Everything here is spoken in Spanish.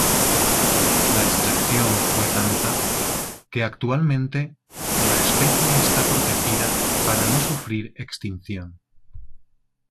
La extracción fue tanta que actualmente la especie está protegida para no sufrir extinción.